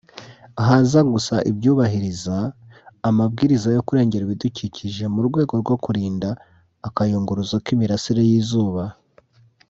haza gusa ibyubahiriza amabwiriza yo kurengera ibidukikije mu rwego rwo kurinda akayunguruzo k’imirasire y’izuba